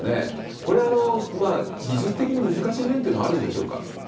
これ、技術的に難しい面というのはあるんでしょうか？